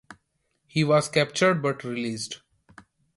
He was captured but released.